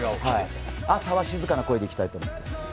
朝は静かな声でいきたいと思っています。